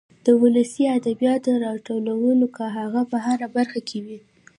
د ولسي ادبياتو راټولو که هغه په هره برخه کې وي.